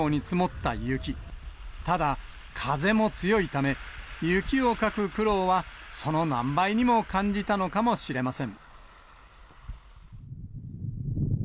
ただ、風も強いため、雪をかく苦労はその何倍にも感じたのかもしれません。